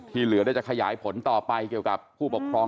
เหลือได้จะขยายผลต่อไปเกี่ยวกับผู้ปกครอง